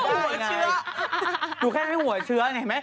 หนูแค่ให้หัวเชื้อเห็นไหม